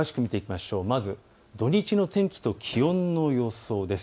まず土日の天気と気温の予想です。